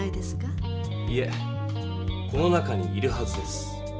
いえこの中にいるはずです。